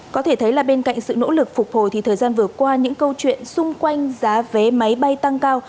có thể thấy là bên cạnh sự nỗ lực phục hồi thì thời gian vừa qua những câu chuyện xung quanh giá vé máy bay tăng cao